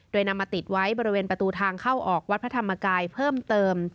โดยนำมาติดไว้บริเวณประตูทางเข้าออกวัดพระธรรมกายเพิ่มเติม